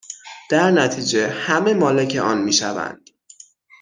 در نتیجه همه مالک آن می شوند